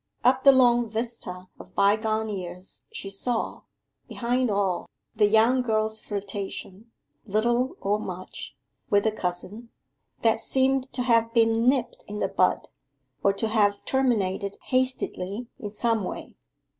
Up the long vista of bygone years she saw, behind all, the young girl's flirtation, little or much, with the cousin, that seemed to have been nipped in the bud, or to have terminated hastily in some way.